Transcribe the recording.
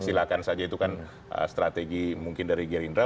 silahkan saja itu kan strategi mungkin dari gerindra